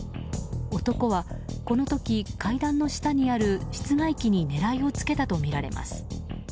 男は、この時階段の下にある室外機に狙いをつけたとみられます。